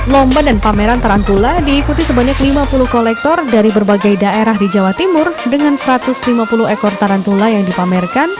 lomba dan pameran tarantula diikuti sebanyak lima puluh kolektor dari berbagai daerah di jawa timur dengan satu ratus lima puluh ekor tarantula yang dipamerkan